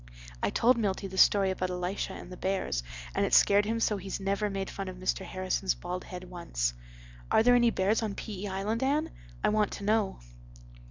I told Milty the story about Elisha and the bears and it scared him so he's never made fun of Mr. Harrison's bald head once. Are there any bears on P.E. Island, Anne? I want to know."